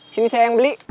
sini saya yang beli